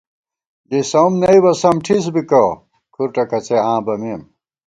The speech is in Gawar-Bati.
لِسَؤم نئیبہ سم ٹھِس بِکہ ، کھُر ٹکَڅئ آں بَمېم